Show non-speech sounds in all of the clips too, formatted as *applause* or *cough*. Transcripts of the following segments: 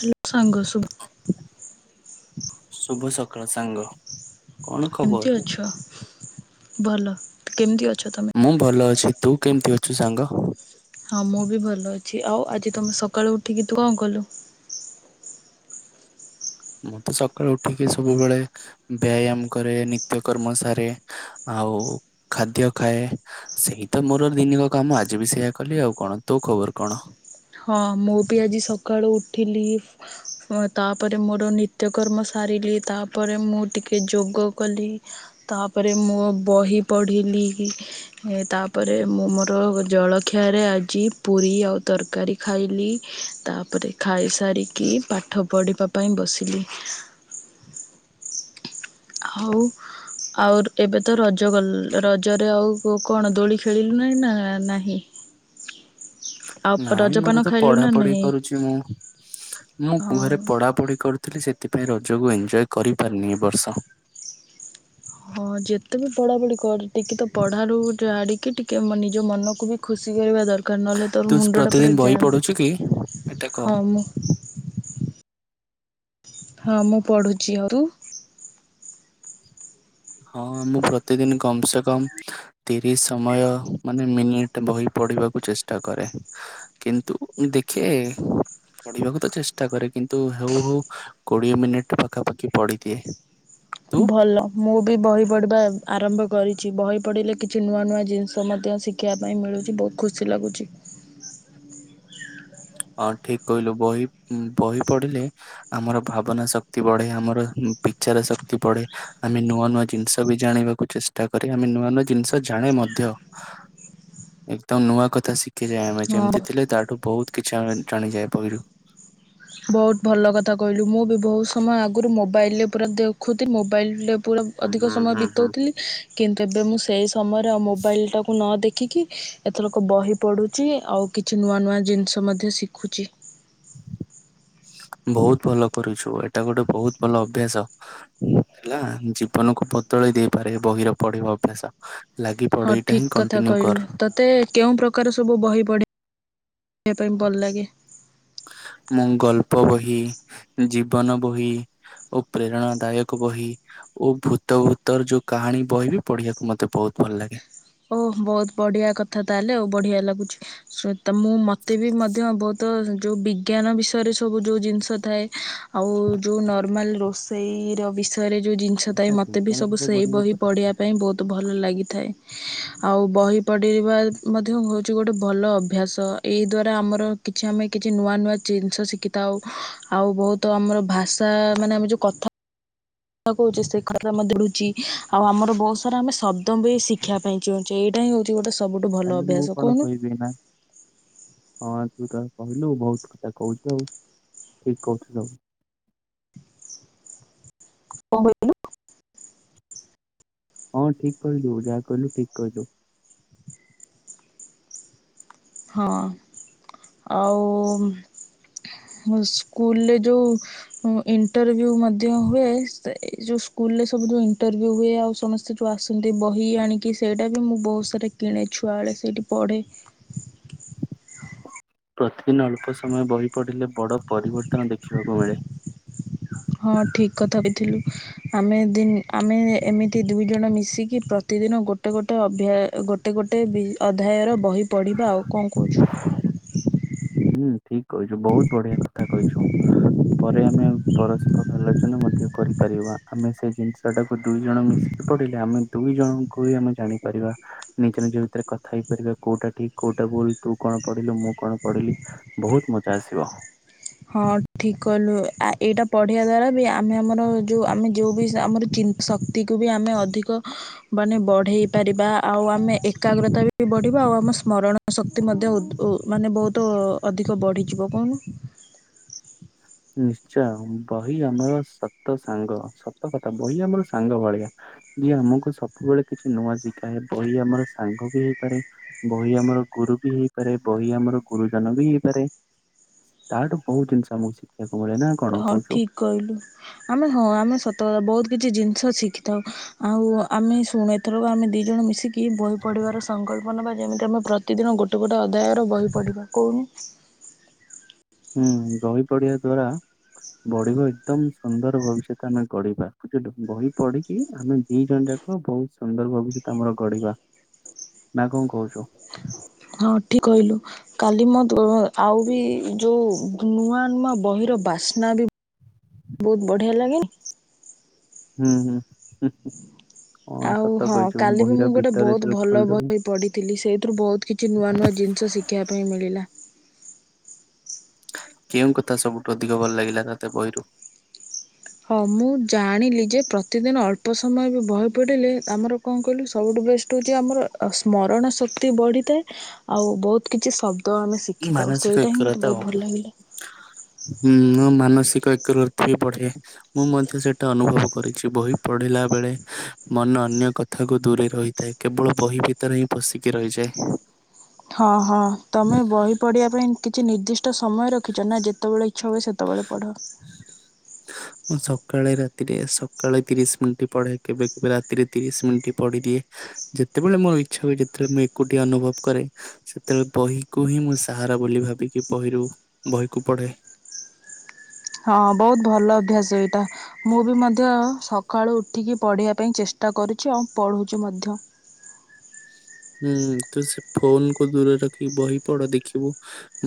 Hello ସାଙ୍ଗ ସୁ ଶୁଭ ସକାଳ ସାଙ୍ଗ। କଣ ଖବର କେମତି ଅଛ ଭଲ କେମିତି ଅଛ ତ ମୁଁ ଭଲ ଅଛି ତୁ କେମିତି ଅଛୁ ସାଙ୍ଗ। ହଁ ମୁଁ ବି ଭଲ ଅଛି ଆଉ ଆଜି ତମେ ସକାଳୁ ଉଠିକି ତୁ କଣ କଲୁ? ମୁଁ ତ ସକାଳୁ ଉଠିକି ସବୁବେଳ ବ୍ୟାୟାମ କରେ ନିତ୍ୟକର୍ମ ସାରେ। ଆଉ ଖାଦ୍ୟ ଖାଏ। ସେଇ ତ ମୋର ଦିନିକ କାମ ଆଜି ବି ସେଇଆ କଲି ଆଉ କଣ ତୋ ଖବର କଣ। ହଁ ମୁଁ ବି ଆଜି ସକାଳୁ ଉଠିଲି ହଁ ତାପରେ ମୋର ନିତ୍ୟକର୍ମ ସାରିଲି ତାପରେ ମୁଁ ଟିକେ ଯୋଗ କଲି। ତାପରେ ମୁଁ ବହି ପଢ଼ିଲି କି ତାପରେ ମୁଁ ମୋର ଜଳଖିଆରେ ଆଜି ପୁରୀ ଆଉ ତରକାରୀ ଖାଇଲି ତାପରେ ଖାଇସାରିକି ପାଠ ପଢ଼ିବା ପାଇଁ ବସିଲି। ହଉ ଆଉ ଏବେ ତ ରଜ ଗଲ ରଜରେ ଆଉ କଣ ଦୋଳି ଖେଳିଲୁ ନାହିଁ ନା ନାହିଁ। ଆଉ ପ ରଜ ମୋରତ ପଢାପଢି କରୁଛି ମୁଁ ମୁଁ ହଁ କୁହରେ ପଢା ପଢି କର ଥିଲି ସେଥିପାଇଁ ରଜକୁ ଏନଜୟ କରିପାରନି ଏ ବର୍ଷ। ହଁ ଯେତେ ବି ପଢ଼ାପଢ଼ି କର ଟିକେ ତ ପଢ଼ାରୁ ଆଡ଼ିକି ଟିକେ ନିଜ ମନକୁ ବି ଖୁସି କରିବା ଦରକାର ନହେଲେ ତୋର ତୁ ମୁଣ୍ଡଟା ପରେ ପ୍ରତିଦିନ ବହି ଯାମ୍ ପଢୁଛୁ କି ଏଇଟା କହ ହଁ ମୁଁ ହଁ ମୁଁ ପଢ଼ୁଛି ଅରୁ ହଁ ମୁଁ ପ୍ରତିଦିନ କମସେ କମ ତିରିଶ ସମୟ ମାନେ ମିନିଟ ବହି ପଢିବାକୁ ଚେଷ୍ଟା କରେ। କିନ୍ତୁ ଦେଖେ ପଢିବାକୁ ତ ଚେଷ୍ଟା କରେ କିନ୍ତୁ ହଉ ହେଉ କୋଡିଏ ମିନିଟ ପାଖାପାଖି ପଢିଦିଏ। ତୁ ଭଲ। ମୁଁ ବି ବହି ପଢ଼ିବା ଆରମ୍ଭ କରିଛି ବହି ପଢ଼ିଲେ କିଛି ନୂଆ ନୂଆ ଜିନିଷ ମଧ୍ୟ ଶିଖ ଖିବା ପାଇଁ ମିଳୁଛି ବହୁତ ଖୁସି ଲାଗୁଛି। ହଁ ଠିକ କହିଲୁ ବହି ବହି ପଢିଲେ ଆମର ଭାବନା ଶକ୍ତି ବଢେ ଆମର ଉଁ ବିଚାର ଶକ୍ତି ବଢେ ଆମେ ନୂଆ ନୂଆ ଜିନିଷ ବି ଜାଣିବା। କୁ ଚେଷ୍ଟା କରେ ଆମେ ନୂଆ ନୂଆ ଜିନିଷ ଜାଣେ ମଧ୍ୟ ଏକଦମ ନୂଆ କଥା ଶିଖ କିରେ ଆମେ ଯେମିତି ହଁ। ଥିଲେ ତାଠୁ ବହୁତ କିଛି ଆମେ ଜାଣିଯାଏ ବହିରୁ ବହୁତ ଭଲ କଥା କହିଲୁ ମୁଁ ବି ବହୁତ ସମୟ ଆଗରୁ ମୋବାଇଲେ ପୁରା ଦେଖୁଥିଲ ମୋବାଇଲେ ପୁରା ହୁଁ ଅଧିକ ସମୟ ହୁଁ ହୁଁ। ବିତଉଥିଲି କିନ୍ତୁ ଏବେ ମୁଁ ସେଇ ସମୟରେ ଆଉ ମୋବାଇଲଟାକୁ ନ ଦେଖିକି ଏଥରକ ବହି ପଢୁଛି ଆଉ କିଛି ନୂଆ ନୂଆ ଜିନିଷ ମଧ୍ୟ ଶିଖୁଛି। ବହୁତ ଭଲ କରୁଛୁ ଏଇଟା ଗୋଟେ ବହୁତ ଭଲ ଅଭ୍ୟାସ ହେଲା ଜୀବନକୁ ବଦଳେଇ ଦେଇପାରେ ବହିର ପଢିବା ଅଭ୍ୟାସ ଲାଗି ପଡ ହଁ ଏଇଟା ହିଁ ଠିକ କଥା କଣ୍ଟିନ୍ୟୁ କର କହିଲୁ ତତେ କେଉଁ ପ୍ରକ ପ୍ରକାର ସବୁ ବହି ପଢେ *inaudible* ପାଇଁ ଭଲ ଲାଗେ। ମୁଁ ଗଳ୍ପ ବହି। ଜୀବନ ବହି। ଓ ପ୍ରେରଣା ଦାୟକ ବହି। ଓ ଭୂତ ଭୂତର ଯୋଉ କାହାଣୀ ବହି ବିି ପଢିବାକୁ ମତେ ବହୁତ ଭଲ ଲାଗେ। ଓ ବହୁତ ବଢିଆ କଥା ତାହେଲେ ଆଉ ବଢିଆ ଲାଗୁଛି ଶୁ ମତେ ବି ମଧ୍ୟ ବହୁତ ତ ଯଉ ବିଜ୍ଞାନ ବିଷୟରେ ସବୁ ଯଉ ଜିନିଷ ଥାଏ ଆଉ ଯଉ ନର୍ମାଲ ରୋ। ସେଇର ବିଷୟରେ ଯେଉଁ ଜିନିଷ ଆଚ୍ଛା ଥାଏ ମୋତେ ବି ବିଜ୍ଞାନ ସବୁ ତତେ ସେଇ ପଢିବାକୁ ବହି ଭଲ ପଢ଼ିବା ଲାଗେ? ପାଇଁ ବହୁତ ଭଲ ଲାଗିଥାଏ। *inaudible* ଆଉ ବହି ପଢ଼ିବା ମଧ୍ୟ ହେଉଛି ଗୋଟେ ଭଲ ଅଭ୍ୟାସ ଏଇ ଦ୍ୱାରା ଆମର କିଛି ଆମେ କିଛି ନୂଆ ନୂଆ ଜିନିଷ ଶିଖିଥାଉ ଆଉ ବହୁତ ଆମର ଭାଷା ମାନେ ଆମେ ଯ କଥା କହୁଛେ ସେ ଖ ଆମେ ଦିଡୁଛି ଆଉ ଆମର ବହୁତ ସାରା ଆମେ ଶବ୍ଦ ବି ଶିଖିବା ପାଇଁ ଚାହୁଛେ ଏଇଟା ହିଁ ହଉଛି ଗୋଟେ ସବୁଠୁ ଭଲ ତାହେଲେ ମୁଁ ଅଭ୍ୟାସ କଉନ। *unintelligible* ହଁ ତୁ ତ କହିଲୁ ବହୁତ କଥା କହୁଛୁ ଆଉ ଠିକ କହୁଥିଲୁ। *inaudible* ହଁ ଠିକ କହିଲୁ ଯାହା କହିଲୁ ଠିକ କହିଲୁ। ହଁ ଆଉ। ସ୍କୁଲରେ ଯେଉଁ ଇଣ୍ଟରଭିୟ୍ୟୁ ମଧ୍ୟ ହୁଏ। ଯୋଉ ସ୍କୁଲରେ ସବୁ ଯଉ ଇଣ୍ଟରଭିୟ୍ୟୁ ହୁଏ ଆଉ ସମ ସେ ଯୋଉ ଆସନ୍ତି ବହି ଆଣିକି ସେଇଟା ବି ମୁଁ ବହୁତ ସାରା କିଣେ ଛୁଆ ବେଳେ ସେଇଠି ପଢେ। ପ୍ରତିଦିନ ଅଳ୍ପ ସମୟ ବହି ପଡ଼ିଲେ ବଡ଼ ପରିବର୍ତ୍ତନ ଦେଖିବାକୁ ମିଳେ। ହଁ ଠିକ କଥା ବି ଥିଲୁ। ଆମେ ଦି ଆମେ ଏମିତି ଦୁଇ ଜଣ ମିଶିକି ପ୍ରତିଦିନ ଗୋଟେ ଗୋଟେ ଅଭ୍ୟା ଗୋତେ ଗୋଟେ ବି ଅଧ୍ୟାୟର ବହି ପଢ଼ିବା ଆଉ କଣ କହୁଛୁ? ହୁଁ ଠିକ କହିଛୁ ବହୁତ ବଢିଆ କଥା କହିଛୁ। ପରେ ଆମେ ପରସ୍ପର ଆଲୋଚନା ମଧ୍ୟ କରିପାରିବା ଆମେ ସେ ଜିନିଷ ଟାକୁ ଦୁଇ ଜଣ ମିଶି ପଢିଲେ ଆମେ ଦୁଇ ଜଣଙ୍କୁ ହି ଆମେ ଜାଣିପାରିବା। ନିଜ ନିଜ ଭିତରେ କଥା ହେଇପାରିବା କୋଉଟା ଠିକ କୋଉଟା ଭୁଲ। ତୁ କଣ ପଢିଲୁ ମୁ କଣ ପଢିଲି। ବହୁତ ମଜା ଆସିବ। ହଁ ଠିକ କଲୁ ଆ ଏଇଟା ପଢିବା ଦ୍ଵାରା ବି ଆମେ ଆମର ଯୋଉ ଆମେ ଯୋଉ ବି ଆମର ଚି ଶକ୍ତିକୁ ବି ଆମେ ଅଧିକ ମାନେ ବଢେଇ ପାରିବା ଆଉ ଆମେ ଏକାଗ୍ରତା ବି ବଢିବା ଆଉ ଆମ ସ୍ମରଣ ଶକ୍ତି ମଧ୍ୟ ଉତ୍ ମାନେ ବହୁତ ଅଧିକ ବଢିଯିବ କଣ ନିଶ୍ଚୟ ବହି ଆମର ସତ ସାଙ୍ଗ ସତ କଥା ବହି ଆମର ସାଙ୍ଗ ଭଳିଆ। ଯିଏ ଆମକୁ ସବୁବେଳେ କିଛି ନୂଆ ଶିଖାଏ ବହି ଆମର ସାଙ୍ଗ ବି ହେଇପାରେ, ବହି ଆମର ଗୁରୁ ବି ହେଇପାରେ ବହି ଆମର ଗୁରୁଜନ ବି ହେଇପାରେ। ତାଠୁ ବହୁତ ଜିନିଷ ଆକୁ ଶିଖିବାକୁ ମିଳେ ନା କଣ ହଁ କହୁଛୁ? ଠିକ୍ କହିଲୁ ଆମେ ହଁ ଆମେ ସତ କଥା ବହୁତ କିଛି ଜିନିଷ ଶିଖିଥାଉ ଆଉ ଆମେ ଶୁଣେ ଏଥିର ଆମେ ଦି ଜଣ ମିଶିକି ବହି ପଢ଼ିବାର ସଂକଳ୍ପ ନେବା ଯେମିତି ଆମେ ପ୍ରତିଦିନ ଗୋଟେ ଗଟେ ଗୋଟେ ଅଦାୟର ବହି ପଡ଼ିବା କଉ ହୁଁ ବହି ପଢିବା ଦ୍ଵାରା ବଢିବ ଏକଦମ ସୁନ୍ଦର ଭବିଷ୍ୟତ ଆମେ ଗଢିବା ବୁଝିଲୁ ବହି ପଢିକି ଆମେ ଦି ଜଣ ଯାକ ବହୁତ ସୁନ୍ଦର ଭବିସ୍ୟତ ଆମର ଗଢିବା ନା କଣ କହୁଛୁ? ହଁ ଠିକ କହିଲୁ। କାଲି ମ ଆଉ ବି ଯୋଉ ନୂଆ ନୂଆ ବହିର ବାସ୍ନା ବି ବହୁତ ବଢିଆ ଲାଗେନି? ହୁଁ ହୁଁ ଆଉ ସତ ହଁ କହିଛୁ କାଲି ବି ବହିର ମୁଁ ଗୋଟେ ଭିତରେ ବହୁତ ଯେତେବେଳେ ଭଲ ଖୋଲିଦବୁ ବହି ପଢ଼ିଥିଲି ସେଇଥିରୁ ବହୁତ କିଛି ନୂଆ ନୂଆ ଜିନିଷ ଶିଖି ଶୀଖିବା ପାଇଁ ମିଳିଲା କେଉଁ କଥା ସବୁଠୁ ଅଧିକ ଭଲ ଲାଗିଲା ତତେ ବହିରୁ ହଁ ମୁଁ ଜାଣିଲି ଯେ ପ୍ରତିଦିନ ଅଳ୍ପ ସମୟ ବି ବହି ପଡ଼ିଲେ ଆମର କଣ କହିଲୁ ସବୁଠୁ ବେଷ୍ଟ ହେଉଛି ଆମର ସ୍ମରଣ ଶକ୍ତି ବଢ଼ିଥାଏ ଆଉ ବହୁତ କିଛି ଶବ୍ଦ ଆମେ ଶିଖିଥାଉ ମାନସିକ ସେଇଟା ହିଁ ମତେ ଏକରତା ଆଉ ବହୁତ ଭଲ ଲାଗିଲା ହୁଁ ମାନସିକ ଏକତ ବି ବଢେ। ମୁଁ ମଧ୍ୟ ସେଇଟା ଅନୁଭବ କରିଛି ବହି ପଢ଼ିଲା ବେଳେ ମନ ଅନ୍ୟ କଥାକୁ ଦୂରେଇ ରହିଥାଏ କେବଳ ବହି ଭିତରେ ହିଁ ପଶିକି ରହିଯାଏ। ହଁ ହଁ ତମେ ବହି ପଢିବା ପାଇଁ କିଛି ନିର୍ଦ୍ଦିଷ୍ଟ ସମୟ ରଖିଛ ନା ଯେତେବେଳେ ଇଚ୍ଛା ହୁଏ ସେତେବେଳେ ପଢ଼। ମୁଁ ସକାଳେ ରାତିରେ ସକାଳେ ତିରିଶ ମିନିଟ ପଢେ କେବେ କେବେ ରାତିରେ ତିରିଶ ମିନିଟ୍ ପଢିଦିଏ। ଯେତେବେଳେ ମୋ ଇଛା ହୁଏ ଯେତେବେଳେ ମୁଁ ଏକୁଟିଆ ଅନୁଭବ କରେ। ସେତେବେଳେ ବହିକୁ ହିଁ ମୁଁ ସାହାରା ବୋଲି ଭାବିକି ବହିରୁ ବହିକୁ ପଢେ। ହଁ ବହୁତ ଭଲ ଅଭ୍ୟାସ ଏଇଟା। ମୁଁ ବି ମଧ୍ୟ ସକାଳୁ ଉଠିକି ପଢ଼ିବା ପାଇଁ ଚେଷ୍ଟା କରୁଛି ଆଉ ପଢ଼ୁଛି ମଧ୍ୟ। ହୁଁ ତୁ ସେ ଫୋନକୁୁ ଦୂରରେ ରଖିକି ବହି ପଢ ଦେଖିବୁ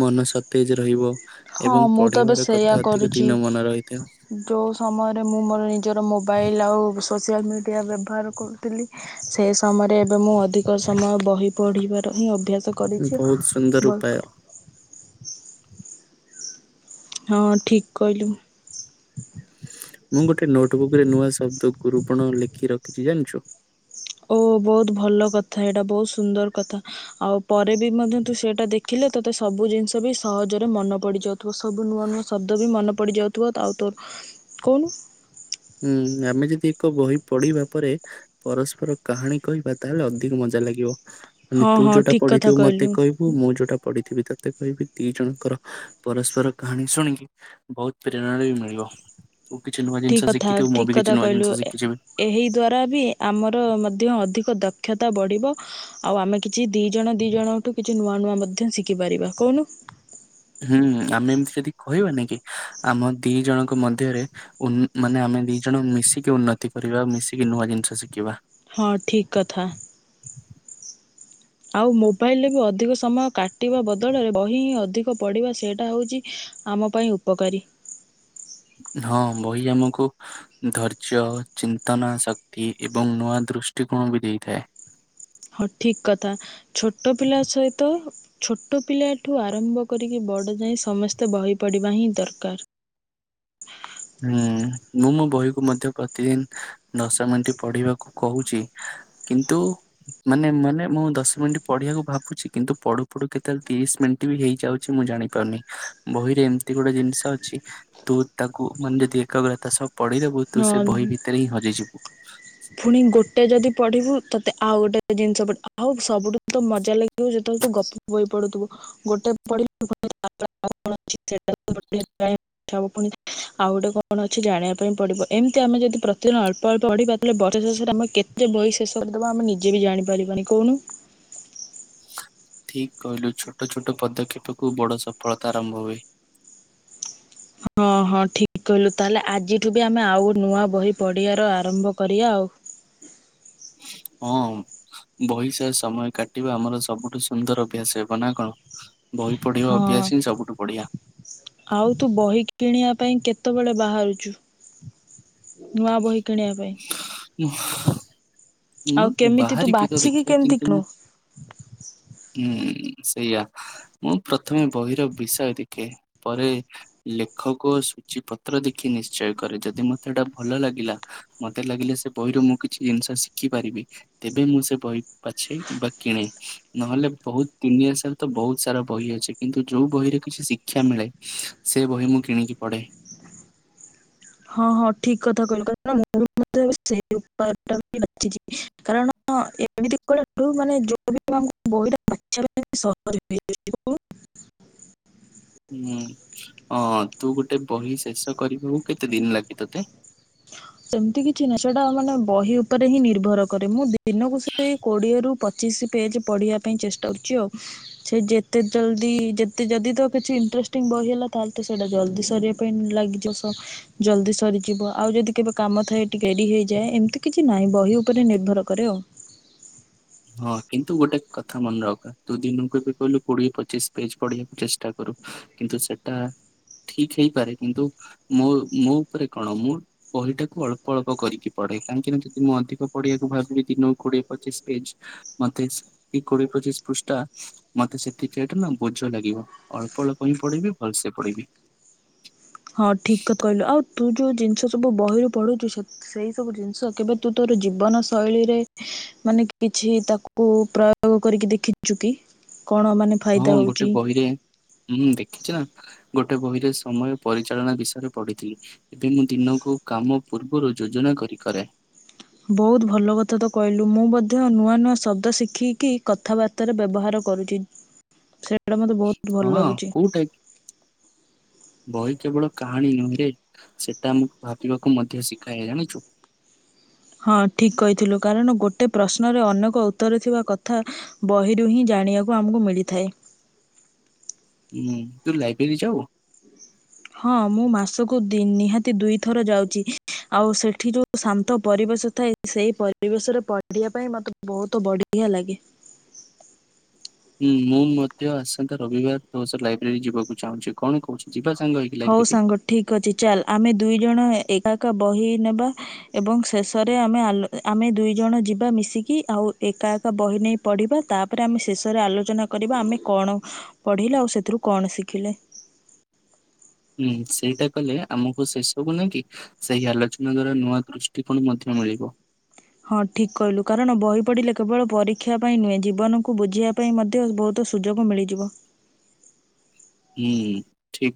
ମନ ସତେଜ ରହିବ। ହଁ ଏବଂ ମୁଁ ତ ପଢିବାର କଥା ଅଧିକ ଦିନ ମନେ ରହିଥାଏ। ଯେଉଁ ସମୟରେ ମୁଁ ମୋର ନିଜର ମୋବାଇଲ ଆଉ ସୋସିଆଲ ମିଡ଼ିଆ ବ୍ୟବହାର କରୁଥିଲି ସେ ସମୟରେ ଏବେ ମୁଁ ଅଧିକ ସମୟ ବହି ପଢ଼ିବାର ହିଁ ଅଭ୍ୟାସ କରିଛି ବହୁତ ସୁନ୍ଦର ଉପାୟ ବହିକୁ ହଁ ଠିକ୍ କହିଲୁ। ମୁଁ ଗୋଟେ ନୋଟବୁକ୍ ରେ ନୂଆ ଶବ୍ଦ ଗୁରୁପଣ ଲେଖି ରଖିଛି ଜାଣିଛୁ। ଓ ବହୁତ ଭଲ କଥା ଏଇଟା ବହୁତ ସୁନ୍ଦର କଥା। ଆଉ ପରେ ବି ମଧ୍ୟ ତୁ ସେଇଟା ଦେଖିଲେ ତୋତେ ସବୁ ଜିନିଷ ବି ସହଜରେ ମନେ ପଡିଯିବ। ସବୁ ନୂଆ ନୂଆ ଶବ୍ଦ ବି ମନେ ପଡିଯାଉଥିବ ଆଉ ତୋର କଣ? ହୁଁ ଆମେ ଯଦି ଏକ ବହି ପଢିବା ପରେ ପରସ୍ପର କାହାଣୀ କହିବା ତାହେଲେ ଅଧିକ ମଜା ଲାଗିବ ମାନେ ହଁ ତୁ ହଁ ଯୋଉଟା ଠିକ୍ କଥା ପଢିଥିବୁ ମତେ କହିଲୁ କହିବୁ ମୁଁ ଯୋଉଟା ପଢିଥିବି ତତେ କହିବି ଦି ଜଣଙ୍କର ପରସ୍ପର କାହାଣୀ ଶୁଣିକି ବହୁତ ପ୍ରେରଣା ବି ମିଳିବ ତୁ କିଛି ନୂଆ ଠିକ୍ ଜିନିଷ କଥା ଶିଖିଥିବୁ ମୁଁ ଠିକ୍ ବି କଥା କିଛି ନୂଆ କହିଲୁ ଜିନିଷ ଏ- ଶିଖିଯିବି। ଏହି ଦ୍ୱାରା ବି ଆମର ମଧ୍ୟ ଅଧିକ ଦକ୍ଷତା ବଢ଼ିବ। ଆଉ ଆମେ କିଛି ଦି ଜଣ ଦି ଜଣଠୁ କିଛି ନୂଆ ନୂଆ ମଧ୍ୟ ଶିଖିପାରିବା କହୁନୁ। ହୁଁ ଆମେ ଏମିତି ଯଦି କହିବାନିକି ଆମ ଦି ଜଣଙ୍କ ମଧ୍ୟରେ ମାନେ ଆମେ ଦି ଜଣ ମିଶିକି ଉନ୍ନତି କରିବା ମିଶିକି ନୂଆ ଜିନିଷ ଶିଖିବା। ହଁ ଠିକ୍ କଥା। ଆଉ ମୋବାଇଲରେ ବି ଅଧିକ ସମୟ କାଟିବା ବଦଳରେ ବହି ଅଧିକ ପଡ଼ିବା ସେଇଟା ହେଉଛି ଆମ ପାଇଁ ଉପକାରୀ।। ହଁ ବହି ଆମକୁ ଧୈର୍ଯ୍ୟ ଚିନ୍ତନା ଶକ୍ତି ଏବଂ ନୂଆ ଦୃଷ୍ଟିକୋଣ ବି ଦେଇଥାଏ। ହଁ ଠିକ୍ କଥା, ଛୋଟ ପିଲା ସହିତ ଛୋଟ ପିଲାଠୁ ଆରମ୍ଭ କରିକି ବଡ଼ ଯାଏ ସମସ୍ତେ ବହି ପଢ଼ିବା ହିଁ ଦରକାର। ହୁଁ ମୁଁ ମୋ ବହିକୁ ମଧ୍ୟ ପ୍ରତିଦିନ ଦଶ ମିନିଟ୍ ପଢିବ ପାଇଁ କହୁଚି। କିନ୍ତୁ, ମାନେ, ମାନେ ମୁଁ ଦଶ ମିନିଟ୍ ପଢିବାକୁ ଭାବୁଛି କିନ୍ତୁ ପଢୁ ପଢୁ କେତେବେଳେ ତିରିଶ ମିନିଟ୍ ବି ହେଇଯାଉଛି ମୁଁ ଜାଣି ଉନି ବହିରେ ଏମିତି ଗୋଟେ ଜିନିଷ ଅଛି। ତୁ ତାକୁ ମାନେ ଯଦି ଏକଗ୍ରତା ସହ ପଢିଦବୁ ତୁ ସେ ହଁ ବହି ଭିତରେ ହିଁ ହଜିଯିବୁ। ପୁଣି ଗୋଟେ ଯଦି ପଢିବୁ ତତେ ଆଉ ଗୋଟେ ଜିନିଷ, ଆଉ ସବୁଠୁ ତ ମଜା ଲାଗିବ ଯେତେବେଳେ ତୁ ଗପ ବହି ପଢୁଥିବୁ, ଗୋଟେ ପଢ *unintelligible* ଅଟା *unintelligible* ଆଉ ଗୋଟେ କଣ ଅଛି ଜାଣିବା ପାଇଁ। ପଡ଼ିବ ଏମିତି ଆମେ ଯଦି ପ୍ରତିଦିନ ଅଳ୍ପ ଅଳ୍ପ ପଢିବା, ତାେ ବର୍ଷ ଶେଷରେ ଆମେ କେତେ ବହିଶେଷ କରିଦେବା। ଆମେ ନିଜେ ଯିଏ ବି ଜାଣିପାରିବନି କହୁନୁ। ଠିକ କହିଲୁ, ଛୋଟ ଛୋଟ ପଦକ୍ଷେପ ରୁ ବଡ ସଫଳତା ଆରମ୍ଭ ହୁଏ। ହଁ, ହଁ ଠିକ କହିଲୁ, ତାହେଲେ ଆଜିଠୁ ବି ଆମେ ଆଉ ନୂଆ ବହି ପଢିବାର ଆରମ୍ଭ କରିବା ଆଉ। ହଁ, ବହି ସହ ସମୟ କାଟିବା ଆମର ସବୁଠୁ ସୁନ୍ଦର ଅଭ୍ୟାସ ହେବ ନା କଣ? ବହି ପଢିବା ହଁ ଅଭ୍ୟାସ ହିଁ ସବୁଠୁ ବଢିଆ। ଆଉ, ତୁ ବହି କିଣିବା ପାଇଁ କେତେବେଳେ ବାହାରୁଛୁ? ନୂଆ ବହି କିଣିବା ପାଇଁ। ମୁଁ ଆଉ କେମିତି, ତୁ ବାହାରିବି ତ ବାଛି କିି କେମିତି କିଣୁ? ହୁଁ, ସେଇଆ ମୁଁ ପ୍ରଥମେ ବହିର ବିଷୟ ଦେଖେ। ପରେ ଲେଖକ ସୂଚୀ ପତ୍ର ଦେଖି ନିଶ୍ଚୟ କରେ? ଯଦି ମତେ ଏଟା ଭଲ ଲାଗିଲା ମତେ ଲାଗିଲା ସେ ବହିରୁ ମୁଁ କିଛି ଜିନିଷ ଶିଖି ପାରିବି। ତେବେ ମୁଁ ସେ ବହି ପଛେଇ ବା କିଣେ ନହେଲେ ବୋହୁତ ତିନି ଦୁନିଆ ରେ ତ ହୁତ ସାରା ବହି ଅଛି। କିନ୍ତୁ ଯଉ ବହିରେ କିଛି ଶିକ୍ଷା ମିଳେ, ସେ ବହି ମୁଁ କିଣିକି ପଢ଼େ। ହଁ, ହଁ ଠିକ କଥା କହିଲ, *inaudible* କ ମୁୋ ସେ ଉପାୟ ଟା ବି ବାଛି କାରଣ ଏମିତି କଳୁ ମାନେ ଯୋଉ ଆମ ବହିଟା ମାଛିବା ସହଜ କହୁନୁ ହୁଁ ଅ ତୁ ଗୋଟେ ବହି ଶେଷ କରିବାକୁ କେତେ ଦିନ ଲାଗେ ତତେ? ସେମିତି କିଛି ନାହିଁ, ସେଟା ମାନେ ବହି ଉପରେ ହିଁ ନିର୍ଭର କରେ। ମୁଁ ଦିନକୁ ସେ କୋଡିଏରୁ ପଚିଶ ପେଜ୍ ପଢ଼ିବା ପାଇଁ ଚେଷ୍ଟା କରୁଚି ଆଉ। ସେ ଯେତେ ଜଲଦି ଯେତେ ଯଦି ତ କିଛି ଇଣ୍ଟରେଷ୍ଟିଂ ବହି ହେଲା ତାହେଲେ ତ ସେଇଟା ଜଲଦି ସରିବା ପେନ୍ ଲାଗିଯିବ ସବ ଜଲଦି ସରିଯିବ। ଆଉ ଯଦି କେବେ କାମ ଥାଏ କିଟେ ଡେରି ହେଇଯାଏ, ଏମିତି କିଛି ନାହିଁ ବହି ଉପରେ ନିର୍ଭର କରେ ଆଉ। ହଁ, କିନ୍ତୁ ଗୋଟେ କଥା ମନେ ରଖ। ତୁ ଦିନକୁ ଏବେ କହିଲୁ କୋଡିଏ ପଚିଶ ପେଜ ପଢିବାକୁ ଚେଷ୍ଟା କର କିନ୍ତୁ ସେଟା ଠିକ ହେଇପାରେ, କିନ୍ତୁ ମୋ ମୋ ଉପରେ କଣ? ମୁଁ ବହିଟାକୁ ଅଳ୍ପ ଅଳ୍ପ କରିକି ପଢେ। କାହିଁକି ନା ଯଦି ମୁଁ, ଅଧିକ ପଢିବାକୁ ଭାବିବି ଦିନକୁ କୋଡିଏ ପଚିଶ ପେଜ ମତେ, ଏଇ କୋଡ଼ିଏ ପଚିଶ ପୃଷ୍ଠା ମତେ ସେତିି ଏଟା ନା ବୋଝ ଲାଗିବ, ଅଳ୍ପ ଅଳ୍ପ ହିଁ ପଢିବି ଭଲସେ ପଢିବି। *unintelligible* ହଁ ଠିକ ତ କହିଲୁ, ଆଉ ତୁ ଯୋଉ ଜିନିଷ ସବୁ ବହିରୁ ପଢ଼ୁ ସେଇ ସବୁ ଜିନିଷ କେବେ ତୁ ତୋର ଜୀବନ ଶୈଳୀରେ ମାନେ କିଛି ତାକୁ ପ୍ରୟୋଗ କରିକି ଦେଖିଛୁ କି? କଣ ମାନେ ଫାଇଦା ହଁ, ଗୋଟେ ହଉଛି ବହିରେ ହୁଁ ଦେଖିଛି ନା, ଗୋଟେ ବହିରେ ସମୟ ପରିଚାଳନା ବିଷୟରେ ପଢିଥିଲି। ଏବେ ମୁଁ ଦିନକୁ କାମ ପୂର୍ବରୁ ଯୋଜନା କରି କରେ। ବହୁତ ଭଲ କଥା ତ କହିଲୁ, ମୁଁ ମଧ୍ୟ ନୂଆ ନୂଆ ଶବ୍ଦ ଶିଖିକି କଥାବାର୍ତ୍ତା ହାତରେ ବ୍ୟବହାର କରୁଚି ସେଇଟା ମତେ ବୋହୁତ ଭଲ ହଁ ଲାଗୁଛି। କୋଉଟା କି? ବହି କେବଳ କାହାଣୀ ନୁହେଁ ରେ ସେଟା ଆମକୁ ଭାବିବାକୁ ମଧ୍ୟ ଶିଖାଏ ଜାଣିଛୁ। ହଁ ଠିକ କହିଥିଲୁ, କାରଣ ଗୋଟେ ପ୍ରଶ୍ନରେ ଅନେକ ଉତ୍ତର ଥିବା କଥା ବହିରୁ ହିଁ ଜାଣିବାକୁ ଆମକୁ ମିଳିଥାଏ। ହୁଁ ତୁ ଲାଇବ୍ରେରୀ ଯାଉ? ହଁ ମୁଁ ମାସକୁ ଦି ନିହାତି ଦୁଇଥର ଯାଉଛି। ଆଉ ସେଠି ଯୋଉ ଶାନ୍ତ ପରିବେଶ ଥାଏ ସେଇ ପରିବେଶରେ ପଢିବା ପାଇଁ ମତେ ବହୁତ ବଢିଆ ଲାଗେ। ହୁଁ ମୁଁ ମଧ୍ୟ ଆସନ୍ତା ରବିବାର ତୋ ସହ ଲାଇବ୍ରେରୀ ଯିବାକୁ ଚାହୁଁଛି, କଣ କହୁଛୁ ଯିବା ସାଙ୍ଗ ହେଇ ହଉ ସାଙ୍ଗ ଠିକ ଅଛି ଚାଲ ଆମେ ଦୁଇ ଜଣ ଏ ଏକା ଏକ ବହି ନେବା ଏବଂ ଶେଷରେ ଆମେ ଆଲୋ ଆମେ ଦୁଇ ଜଣ ଯିବା ମିଶିକି ଆଉ ଏକା ଏକା ବହି ନେଇ ପଢ଼ିବା ତାପରେ ଆମେ ଶେଷରେ ଆଲୋଚନା କରିବା ଆମେ କଣ ପଢ଼ିଲେ ଆଉ ସେଥିରୁ କଣ ଶିଖିଲେ। ହୁଁ ସେଇଟା କଲେ ଆମକୁ ସେ ସବୁ ନାଇଁ କି ସେହି ଆଲୋଚନା ଦ୍ଵାରା ନୂଆ ଦୃଷ୍ଟିକୋଣ ମଧ୍ୟ ମିଳିବ। ହଁ ଠିକ କହିଲୁ କାରଣ ବହି ପଢ଼ିଲେ କେବଳ ପରୀକ୍ଷା ପାଇଁ ନୁହେଁ ଜୀବନକୁ ବୁଝିବା ପାଇଁ ମଧ୍ୟ ବହୁତ ସ ସୁଯୋଗ ମିଳିଯିବ। ହୁଁ। ଠିକ